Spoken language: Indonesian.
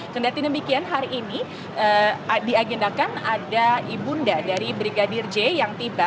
kedatian demikian hari ini diagendakan ada ibunda dari brigadir j yang tiba